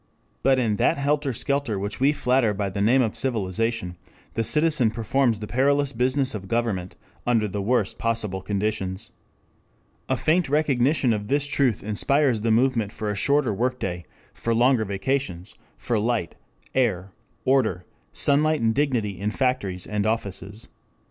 But in that helter skelter which we flatter by the name of civilization, the citizen performs the perilous business of government under the worst possible conditions. A faint recognition of this truth inspires the movement for a shorter work day, for longer vacations, for light, air, order, sunlight and dignity in factories and offices.